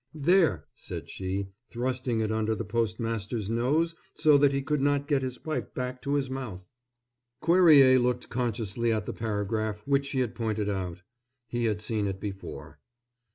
"There!" said she, thrusting it under the postmaster's nose so that he could not get his pipe back to his mouth. Cuerrier looked consciously at the paragraph which she had pointed out. He had seen it before.